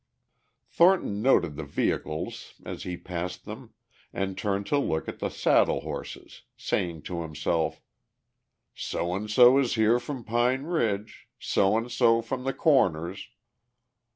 Thornton noted the vehicles as he passed them, and turned to look at the saddle horses, saying to himself, "So and so is here from Pine Ridge, So and so from the Corners."